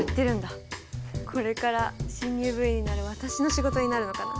これから新入部員になる私の仕事になるのかな。